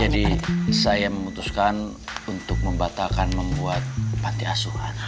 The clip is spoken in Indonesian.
jadi saya memutuskan untuk membatalkan membuat panti asuhan